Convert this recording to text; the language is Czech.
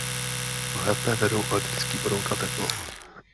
Lépe vedou elektrický proud a teplo.